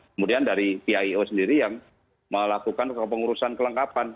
kemudian dari pio sendiri yang melakukan pengurusan kelengkapan